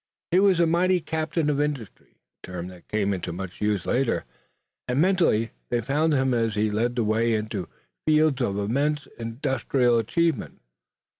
He was a mighty captain of industry, a term that came into much use later, and mentally they followed him as he led the way into fields of immense industrial achievement.